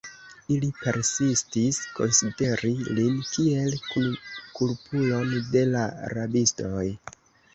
Ili persistis konsideri lin kiel kunkulpulon de la rabistoj.